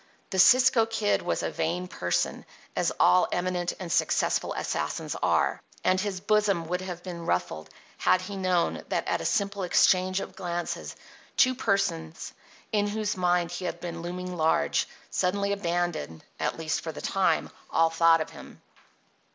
The Cisco Kid was a vain person, as all eminent and successful assassins are, and his bosom would have been ruffled had he known that at a simple exchange of glances two persons, in whose minds he had been looming large, suddenly abandoned (at least for the time) all thought of him.